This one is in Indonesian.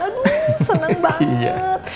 aduh senang banget